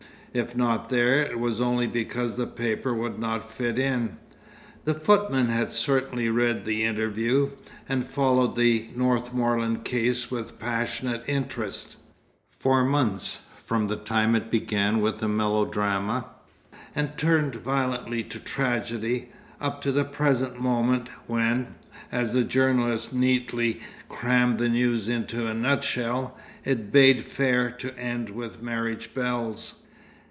If not there, it was only because the paper would not fit in. The footman had certainly read the interview, and followed the "Northmorland Case" with passionate interest, for months, from the time it began with melodrama, and turned violently to tragedy, up to the present moment when (as the journalists neatly crammed the news into a nutshell) "it bade fair to end with marriage bells."